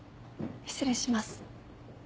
失礼します。